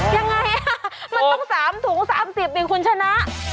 ยังไงมันต้อง๓ถุง๓๐ดิคุณชนะ